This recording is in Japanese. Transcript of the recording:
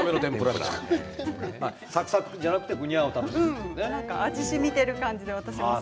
サクサクじゃなくてふにゃを楽しむんですね。